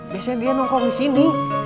biasanya dia nongkong di sini